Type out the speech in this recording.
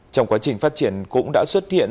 trong quá trình phát triển cũng đã xuất hiện